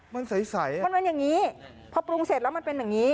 มันใสเหรอครับมันเป็นอย่างนี้